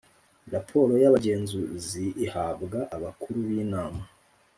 Raporo y abagenzuzi ihabwa abakuru b inama